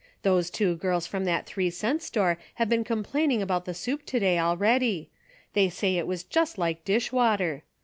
Those two girls from, that three cent store have been complaining about the soup to day already. They say it was just like dish water.